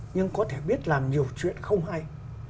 nhưng có thể biết làm nhiều chuyện không hay